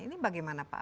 ini bagaimana pak